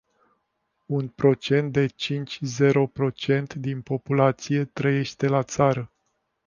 Un procent de cinci zero procent din populație trăiește la țară.